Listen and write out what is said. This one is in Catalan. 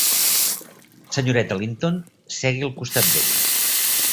Senyoreta Linton, segui al costat d'ell.